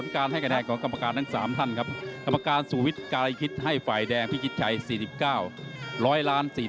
กรรมการสูวิทย์การคิดให้ฝ่ายแดงพิกิจชัย๔๙ร้อยล้าน๔๖